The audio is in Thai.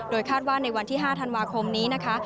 คาดว่าในวันที่๕ธันวาคมนี้นะคะ